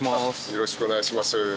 よろしくお願いします。